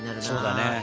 そうだね。